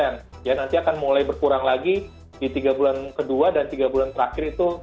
nanti akan mulai berkurang lagi di tiga bulan kedua dan tiga bulan terakhir itu